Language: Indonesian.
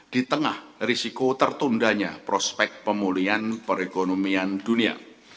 di tengah risiko tertundanya prospek pemulihan perekonomian dunia